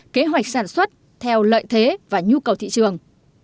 kế hoạch sản xuất theo lợi thế và nhu cầu thị trường